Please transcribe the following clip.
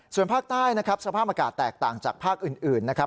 ส่วนภาคใต้นะครับสภาพอากาศแตกต่างจากภาคอื่นนะครับ